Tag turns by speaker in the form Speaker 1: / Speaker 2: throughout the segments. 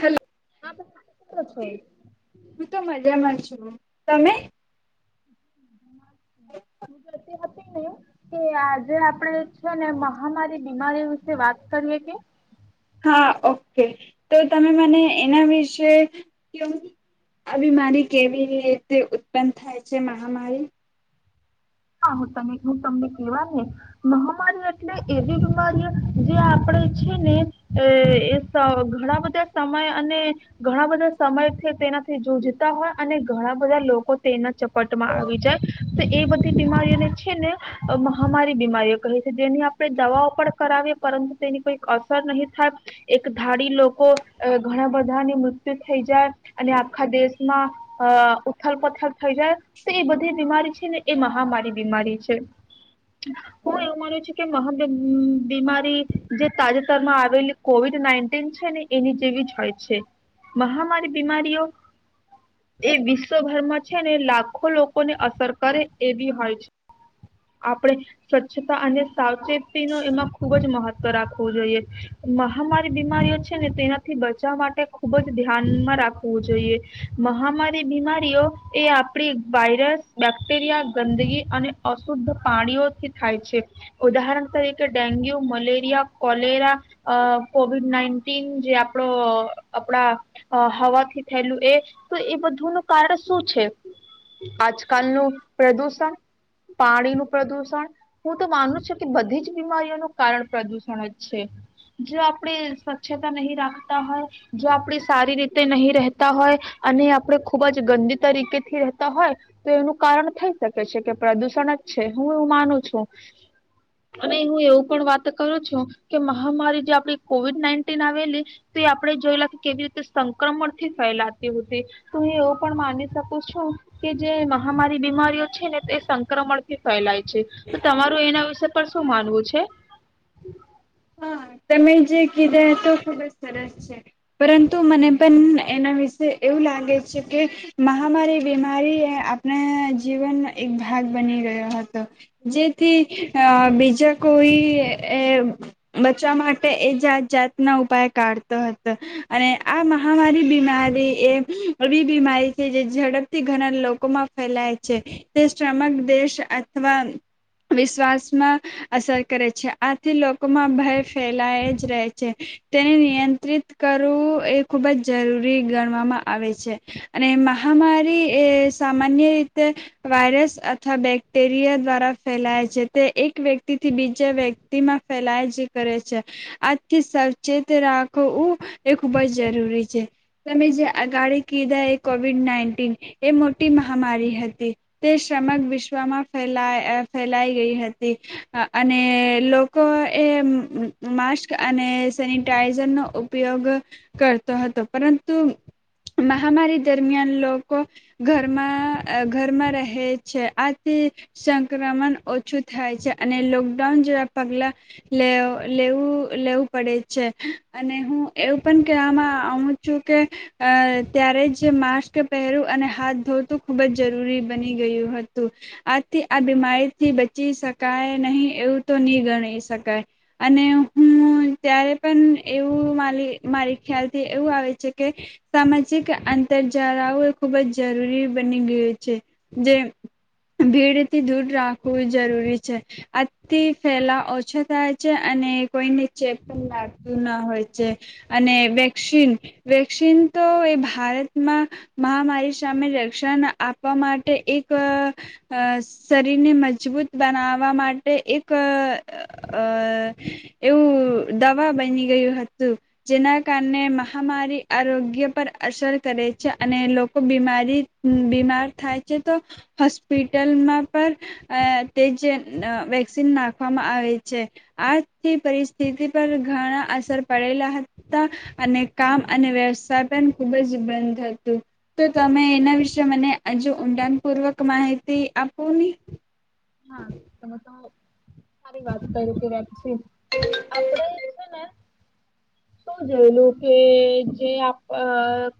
Speaker 1: Hello,
Speaker 2: હા કરો છો
Speaker 1: હું તો મજામાં છુ. તમે
Speaker 2: હું કહેતી હતી ને એ કે આજે આપડે છે ને મહામારી બીમારી વિશે વાત કરીએ કે?
Speaker 1: હા ઓકે, તો તમે મને એના વિશે કે આ બીમારી કેવી રીતે ઉત્પન્ન થાય છે મહામારી
Speaker 2: હા હુ તમે હું તમને કેવા ને મહામારી એટલે એવી બીમારીઓ જે આપણેે છે ને, એ સ ઘણા બધા સમય અને ઘણા બધા સમય તેનાથી જૂજતા હોય અને ઘણા બધા લોકો તેના ચપટમાં આવી જાય, તો એ બઘી તે બીમારીઓને છે ને અ મહામારી બીમારીઓ કહે છે, જેની આપણે દવાઓ પણ કરાવીએ પરંતુ તેની કોઈક અસર નહી થાય એક ધાડી લોકો અ ઘણા બધાની મૃત્યુ થઈ જાય અને આખા દેશમાં અ ઉથલ પુથલ થઈ જાય તો એ બધી બીમારી છે ને એ મહામારી બીમારી છે. હું એવું માનું છું કે મહા બીમારી જે તાજેતરમાં આવેલી કોવિડ નાઈન્ટીન છે ને એની જેવી જ હોય છે. મહામારી બીમારીઓ એ વિશ્વભરમાં છે ને લાખો લોકોને અસર કરે. એવી હોય છે. આપણે સ્વચ્છતા અને સાવચેતી ન એમાં ખૂબ જ મહત્વ રાખવું જોઈએ, મહામારી બીમારીઓ છે ને તેનાથી બચાવવા માટે ખૂબ જ ધ્યાનમાં રાખવું જોઈએ મહામારી બીમારીઓ એ આપડી વાયરસ બેક્ટેરિયા ગંદગી અને અશુદ્ધ પાણીઓથી થાય છે, ઉદાહરણ તરીકે dengue, malaria, cholera, COVID nineteen જે આપણો આપણા હવાથી થયેલું એ તો એ બધું ન કારણ શું છે? આજકાલનું પ્રદૂષણ, પાણીનું પ્રદુષણ હું તો માનું છું કે બધી જ બીમારીઓનું કારણ પ્રદૂષણ જ છે. જો આપણે સ્વચ્છતા નહીં રાખતા હોય જો આપણે સારી રીતે નહીં રહેતા હોય, અને આપણે ખુબ જ ગંદી તરીકે થી રહેતા હોય, તો એનું કારણ થઈ શકે છે, કે પ્રદુષણ જ છે હું એવું માનું છું. અને હું એવું પણ વાત કરું છું, કે મહામારી જે આપ કોવિડ નાઈટીન આવેલી તે એ આપેને જોયેલા કેવી રીતે સંક્રમણથી ફેલાતી હોતી, તો એવ પણ માની શકું છું કે જે મહામારી બીમારી તેઓ છે ને, તે સંક્રમણ થી ફેલાય છે. તો તમારું એના વિશે પણ શું માનવું છે?
Speaker 1: હા તમે જે કીધા તો ખુબ જ સરસ છે, પરંતુ મને પણ એના વિશે એવું લાગે છે કે મહામારી બીમારી એ આપણા જીવનનો એક ભાગ બની ગયો હતો, જેથી અ બીજા કોઈ એ બચવા માટે એ જાત જાતના ઉપાય કાઢતો હતો, અને આ મહામારી બીમારી એ એ બીમારી છે જે ઝડપથી ઘણા લોકોમાં ફેલાય છે. તે સમક દેશ અથવા વિશ્વાસમાં અસર કરે છે, આથી લો મા ભય ફેલાય જ રહે છે, તેને નિયંત્રિત કરવું એ ખૂબ જ જરૂરી ગણવામાં આવે છે. અને મહામારી એ સામાન્ય રીતે વાયરસ અથવા બેક્ટેરિયા દ્વારા ફેલાય છે, તે એક વ્યક્તિથી બીજા વ્યક્તિમાં ફેલાય જ કરે છે. આજથી સાચેત રાખું એ ખૂબ જ જરૂરી છે. તમે જે આગાળ કીધા એ કોવિડ નાઇન્ટીન એ મોટી મહામારી હતી તે સમગ વિશ્વમાં ફેલા ફેલાઈ ગઈ હતી, અને લોકો લોકો એ માસ્ક અને સેનિટાઈઝર નો ઉપયોગ કરતો હતો પરંતુ મહામારી દરમિયાન લોકો ઘરમાં ઘરમાં રહે છે આથી સંક્રમણ ઓછું થાય છે અને લોકડાઉન જેવા પગલાં લેવું લેવું પડે છે અને હું એવું પણ કહેવામાં આવું છું કે ત્યારે જ માસ્ક પહેરું અને હાથ ધોતું ખુબ જ જરૂરી બની ગયું હતું આથી આ બીમારીથી બચી શકાય નહી એવું તો ની ગણી શકાય અને હું ત્યારે પણ એવું મારી મારી ખ્યાલથી એવું આવે છે કે સામાજિક આંતર જાળવું એ ખૂબ જરૂરી બની ગયું છે જે ભીડથી દૂર રાખવું જરૂરી છે આથી ફેલા ઓછો થાય છે અને કોઈને ચેક પણ લાગતું ન હોય છે અને વેક્સિન વેક્સિન તો એ ભારતમાં મહામારી સામે રક્ષણ આપવા માટે એક શરીરને મજબૂત બનાવવા માટે એક એક એવું દવા બની ગયું હતું જેના કારણે મહામારી આરોગ્ય પર અસર કરે છે અને લોકો બીમારી બીમાર થાય છે તો હોસ્પિટલમાં પણ તે જ વેન નાખવામાં આવે છે આથી પરિસ્થિતિ પર ઘણા અસર પડેલા હતા અને કામ અને વ્યવસાય પણ ખુબ જ બંધ હતું તો તમે એના વિશે મને હજુ ઊંડાણ પૂર્વક માહિતી આપો ને.
Speaker 2: હા તમે તો. સારી વાત કરી હતી વેકસીન આપડે છે ને શું જોયેલું કે જે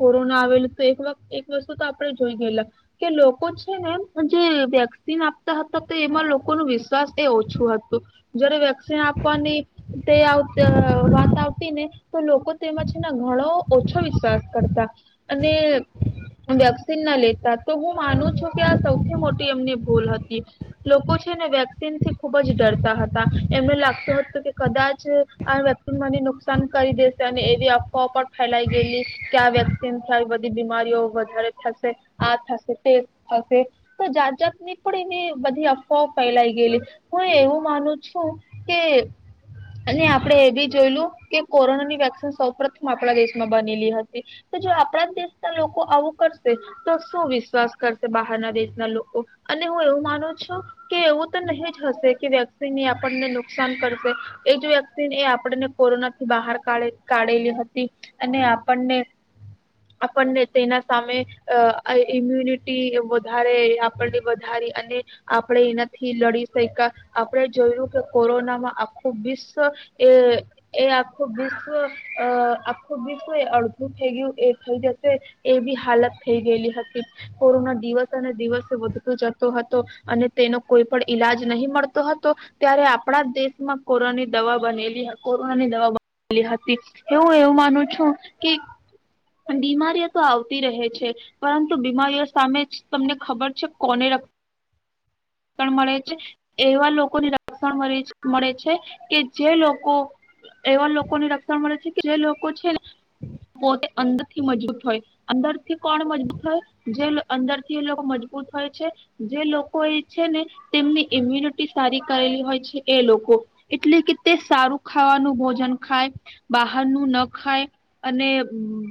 Speaker 2: કોરોના આવેલું તો એક એક વસ્તુ તો આપણેે જોઈ ગયેલા કે લોકો છે ને એમ જે વેક્સન આપતા હતા. તો એમાં લોકો વિશ્વાસ એ ઓછું હતું જારે વેક્સિન આપવાની તે આવતી વાત આવતી ને તો લોકો તેમાં છે ઘણો ઓછો વિશ્વાસ કરતા અને વેક્સિન ના લેતા તો હું માનું છું કે આ સૌથી મોટી એમની ભૂલ હતી. લોકો વેક્સિન થી ખુબ જ ડરતા હતા એમને લાગતું હતું કે કદાચ આ વેક્સિનને નુકસાન કરી દેશે અને એવી અફવાઓ પણ ફેલાઈ ગયેલી કે આ વેક્સિન થાય બધી બીમારીઓ વધારે થશે આ થશે તે થશે તો જાત જાત ની પણ એની બધી અફવાઓ ફેલાય ગયેલી હું એવું માનું છું કે અને આપણેે એ બી જોયલું કે કોરોનાની વેક્સિન સૌ પ્રથમ આપણા દેશમાં બનેલી હતી તો જો આપણા જ દેશના લોકો આવું કરશે તો શું વિશ્વાસ કરશે બહારના દેશના લોકો અને હું એવું માનું છું. કે એવું તો નહી જ હશે કે વેક્સિનને આપણને નુકસાન કરશે એજ વેક્સિન એ આપણને કોરોના થી બહાર કાે કાઢેલી હતી અને આપણને આપણને તેના સામે ઇમ્યુનિટી વધારે આપણને વધારી અને આપણે એનાથી લડી સયકા આપણે જોયું કે કોરોનામાં આખું વિશ્વ તો એ એ આખું આખું બશ અડધું થઈ ગયું એ થઈ જશે એ બી હાલત થઈ ગયેલી હતી કોરોના દિવસે અને દિવસે વધતો જતો હતો અને તેનો કોઈ પણ ઈલાજ નહીં મળતો હતો ત્યારે આપણા દેશમાં કોરોની દવા બનેલી કોરોનાની દવા બનેલી હતી હ હું એવું માનું છું કે બીમારીઓ તો આવતી રહે છે પરંતુ બીમારીઓ સામે તમને ખબર છે કોને મળે છે એવા લોકોની રક્ષણ મળે છે કે જે લોકો એવા લોકોની રક્ષણ મળે છે કે જે લોકો છે ને પોતે અંદરથી મજબૂત હોય અંદર થી કોણ મજબૂત હોય જે અંદરથી એ લોકો મજબૂત હોય છે જે લોકો તેમની ઇમ્યુનિટી સારી કરેલી હોય છે એ લોકો એટલે કે તે સારું ખાવાનું ભોજન ખાય બહારનું ના ખાય અને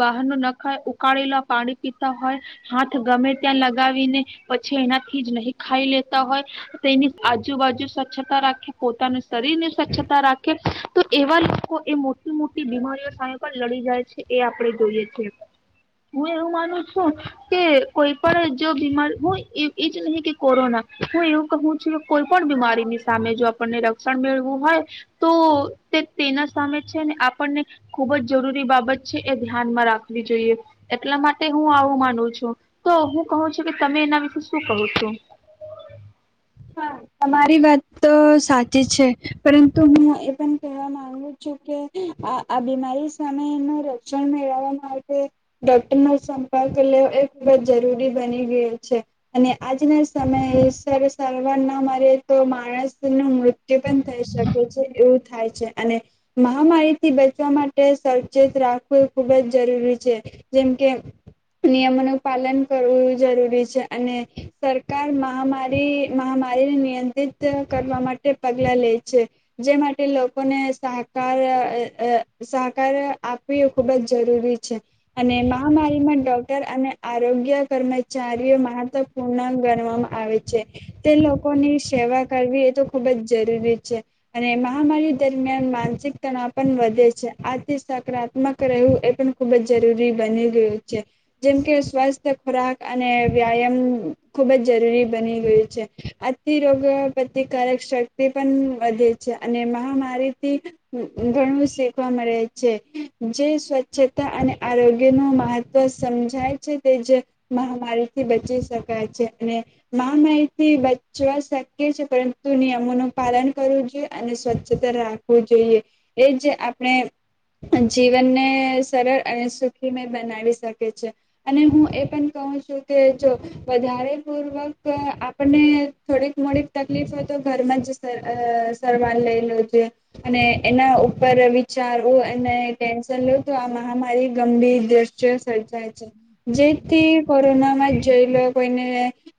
Speaker 2: બહારનું ના ખાય ઉકાળેલા પાણી પીતા હોય હાથ ગમે ત્યાં લગાવી ને પછી એનાથી જ નહી ખાઈ લેતા હોય તેની આજુબાજુ સ્વચ્છતા રાખી પોતાને શરીર ને સ્વચ્છતા રાખે. તો એવા લોકો એ મોટી મોટી બીમારીઓ સામે પણ લડી જાય છે એ આપણે જોઈએ છે. હું એવું માનું છું કે કોઈ પણ જો બીમારી હું એજ નહી કે કોરોના હું એવું કહું છું કે કોઈ પણ બીમારીની સામે જો આપણને રક્ષણ મેળવું હોય તો તે તેના સામે છે ને આપણને ખુબ જ જરૂરી બાબત છે એ ધ્યાનમાં રાખવી જોઈએ. એટલા માટે હુ આવું માનું છું. તો હુ કહું છું કે તમે એના વિશે શું કહું છો?
Speaker 1: હા તમારી વાત તો સાચી છે પરંતુ હું એ પણ કહેવા માંગુ છું કે આ આ બીમારી સામેનું રક્ષણ મેળવવા માટે ડોક્ટર ન સંપર્ક લેવો એ ખૂબ જ જરૂરી બની ગયો છે. અને આજના સમયે સર સારવાર ના મરે તો માણસ નું મૃત્યુ પણ થઈ શકે છે. એવું થાય છે અને મહામારીથી બચવા માટે સવચેત રાખવું ખુબ જ જરૂરી છે. જેમ કે નિયમોનું પાલન કરવું જરૂરી છે. અને સરકાર મહામારી મહામારીને નિયંત્રિત કરવા માટે પગલા લે છે. જે માટે લોકોને સહકાર અ અ સહકાર આપવી ખૂબ જ જરૂરી છે. અને મહામારીમાં ડોક્ટર અને આરોગ્ય કર્મચારીઓ મહત્વપૂર્ણ ગણવામાં આવે છે. તે લોકોની સેવા કરવી એ તો ખુબ જ જરૂરી છે. અને મહામારી દરમિયાન માનસિક તણાવ પણ વધે છે. આથી સકારાત્મક રહેવું એ પણ ખુબ જ જરૂરી બની ગયું છે. જેમ કે સ્વાસ્થ ખોરાક અને વ્યાયામ ખુબ જ જરૂરી બની ગયું છે. આથી રોગ પ્રતિકારક શક્તિ પણ વધે છે અને મહામારીથી ઘણું શેખવા મળે છે. જે સ્વચ્છતા અને આરોગ્ય ન મહત્વ સમજાય છે તે જ મહામારીથી બચી શકાય છે. અને મહામારી થી બચવા શક્ય છે પરંતુ નિયમોનું પાલન કરવું જોઈએ અને સ્વચ્છતા રાખવું જોઈએ એજ આપણે જીવનને સરળ અને સુખીમય બનાવી શકે છે. અને હું એ પણ કહું છું કે જો વધારે પૂર્વક અ આપ આપને થોડીક મોડીક તકલીફ હોય તો ઘરમાં જ અ સવાર લઈ લોઉ જોઈએ. અને એના ઉપર વિચારવું અને ટેન્શન લઉ તો આ મહામારી ગંભીર દ્રશ્યો સર્જાય છે જેથી કોરોનામાં જોઈ લો કોઈને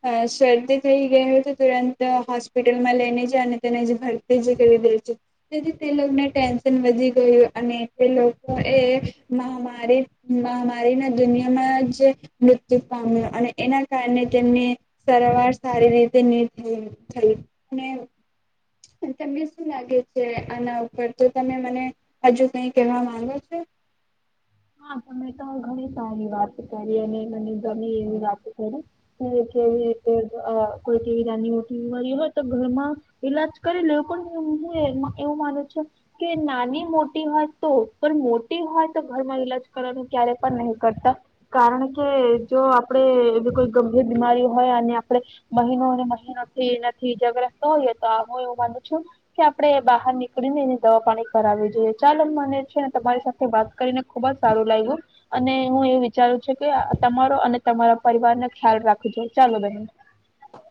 Speaker 1: અ સરદી થેય ગય હોય તો તુરંત હોસ્પિટલમાં લઈને જ અને તેને ભરતી જે કરી દે છે તેથી તેને ટેન્શન વધી ગયું અને તે લોકો એ મહામારી મહામારી ના દુનિયામાં જે મૃત્યુ પામ્યો અને એના કારણે તેમને સરવાર સારી રીતે ની [unintelligible] થયુ. ને તમને શું લાગે છે આના ઉપર તો તમે મને હજુ કઈ કહેવા માંગો છો?
Speaker 2: હા તમે તો ઘણી સારી વાત કરી અને મને ગમે એવી વાત કરી કે કે રતે કોઈ કેવી નાની મોટી બીમારી હોય તો ઘરમાં ઈલાજ કરી લે પણ હું એવું માનું છું કે નાની મોટી હોય તો પણ મોટી હોય તો ઘરમા ઈલાજ કરવાનું ક્યારે પણ નહી કરતા કારણ કે જો આપડે એવી કોઈ ગંભીર બીમારી હોય અને આપણે મહિનોને મહિનો થી એનાથી ઈજાગ્રસ્ત હોઈએ તો હું એવું માનું છું કે આપણે બહાર નીકળી ને એને દવા પાણી કરાવવી જોઈએ. ચાલો મને છે ને તમારી સાથે વાત કરીને ખુબ જ સારું લાગ્યું. અને હું એવું વિચારું છું કે તમારો અને તમારા પરિવારને ખ્યાલ રાખજો ચાલો બેહેન.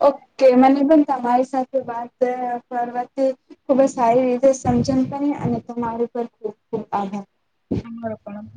Speaker 1: ઓકે મને પણ તમારી સાથે વાત કરવાથી ખુબ જ સારી રીતે સમજણ કરી અને તમારી પર ખૂબ ખૂબ આભાર.
Speaker 2: હમળપણ